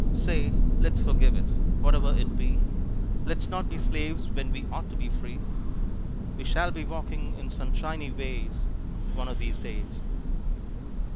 Say! Let's forgive it, whatever it be, Let's not be slaves when we ought to be free. We shall be walking in sunshiny ways One of these days.